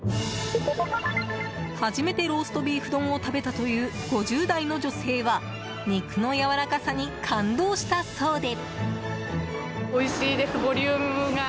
初めてローストビーフ丼を食べたという５０代の女性は肉のやわらかさに感動したそうで。